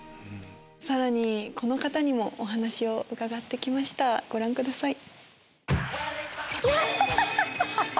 さらにこの方にもお話を伺って来ましたご覧ください。